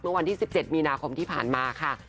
วันที่๑๗มีนาคมที่ผ่านมาค่ะ